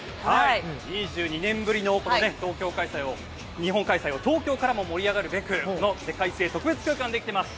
２２年ぶりの日本開催を東京からも盛り上がるべくこの世界水泳特別空間ができています。